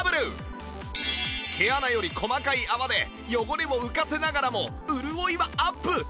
毛穴より細かい泡で汚れを浮かせながらも潤いはアップ